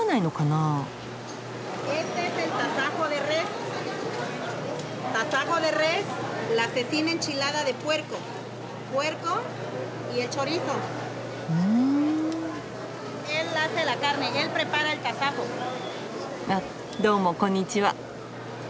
あっどうもこんにちは。